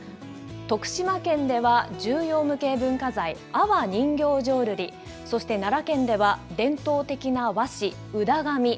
徳島県では重要無形文化財、阿波人形浄瑠璃、そして奈良県では伝統的な和紙、宇陀紙。